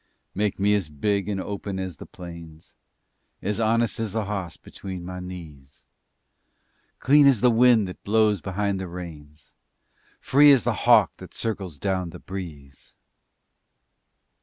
Make me as big and open as the plains, As honest as the hawse between my knees, Clean as the wind that blows behind the rains, Free as the hawk that circles down the breeze!